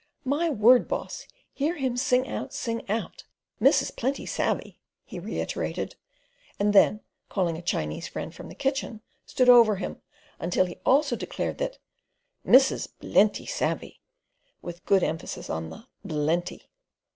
"My word, boss! Hear him sing out sing out. Missus plenty savey," he reiterated, and then calling a Chinese friend from the kitchen, stood over him, until he also declared that "missus BLENTY savey," with good emphasis on the BLENTY.